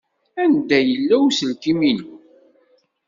Anda yella uselkim-inu?